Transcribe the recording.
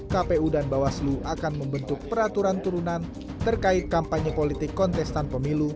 kpu dan bawaslu akan membentuk peraturan turunan terkait kampanye politik kontestan pemilu